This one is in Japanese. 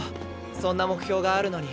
そんな目標があるのに。